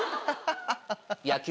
「野球」。